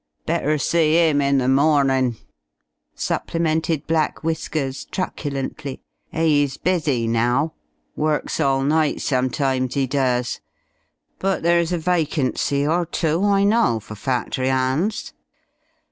"Better see 'im in the mawning," supplemented Black Whiskers, truculently. "He's busy now. Works all night sometimes, 'e does. But there's a vacancy or two, I know, for factory 'ands.